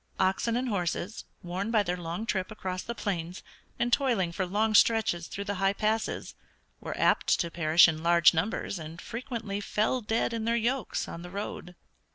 Oxen and horses, worn by their long trip across the plains, and toiling for long stretches through the high passes, were apt to perish in large numbers and frequently fell dead in their yokes on the road.